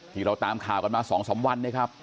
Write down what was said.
ที่เราตามข่าวกันมา๒๓วันนะครับ